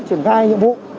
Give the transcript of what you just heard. chuyển gai nhiệm vụ